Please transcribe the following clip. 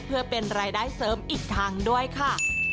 เพื่อเป็นรายได้เสริมอีกทางด้วยค่ะ